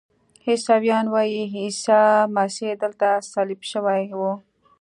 عیسویان وایي عیسی مسیح دلته صلیب شوی و.